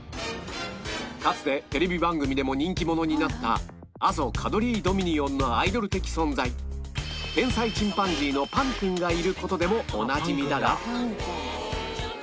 かつてテレビ番組でも人気者になった阿蘇カドリー・ドミニオンのアイドル的存在天才チンパンジーのパンくんがいる事でもおなじみだが